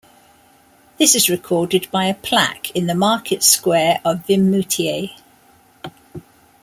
This is recorded by a plaque in the market square of Vimoutiers.